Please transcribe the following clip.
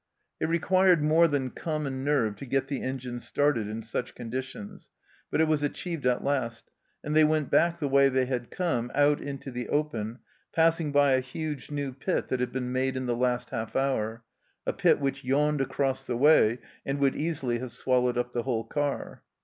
It required more than common nerve to get the engine started in such conditions, but it was achieved at last, and they went back the way they had come, out into the open, passing by a huge new pit that had been made in the last half hour, a pit which yawned across the way and would easily have swallowed up the whole car.